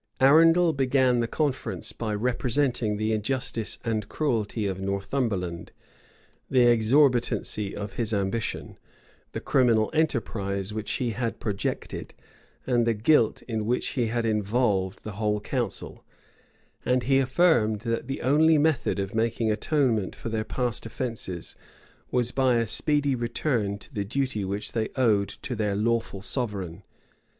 Arundel began the conference, by representing the injustice and cruelty of Northumberland, the exorbitancy of his ambition, the criminal enterprise which he had projected, and the guilt in which he had involved the whole council; and he affirmed, that the only method of making atonement for their past offences, was by a speedy return to the duty which they owed to their lawful sovereign.